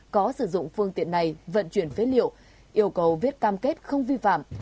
có sử dụng phương tiện này vận chuyển phế liệu yêu cầu viết cam kết không vi phạm